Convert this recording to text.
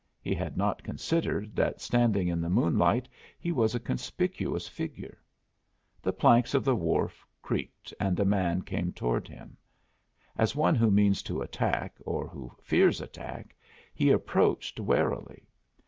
He had not considered that standing in the moonlight he was a conspicuous figure. The planks of the wharf creaked and a man came toward him. As one who means to attack, or who fears attack, he approached warily.